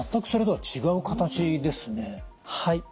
はい。